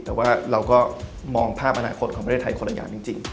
แต่ว่าเราก็มองภาพอนาคตของประเทศไทยคนละอย่างจริง